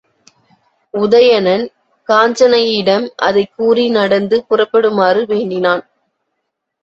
உதயணன் காஞ்சனையிடம் அதைக் கூறி நடந்து புறப்படுமாறு வேண்டினான்.